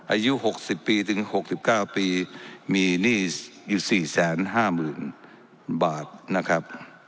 อายุหกสิบปีถึงหกสิบเก้าปีมีหนี้อยู่สี่แสนห้าหมื่นบาทนะครับ